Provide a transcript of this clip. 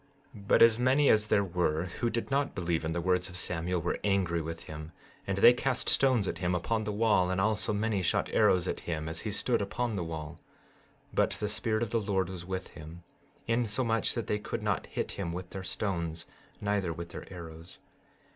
16:2 But as many as there were who did not believe in the words of Samuel were angry with him; and they cast stones at him upon the wall, and also many shot arrows at him as he stood upon the wall; but the Spirit of the Lord was with him, insomuch that they could not hit him with their stones neither with their arrows.